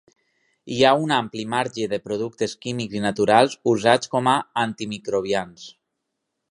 Hi ha un ampli marge de productes químics i naturals usats com antimicrobians.